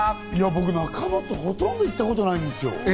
僕、中野って、ほとんど行ったことないんですよ。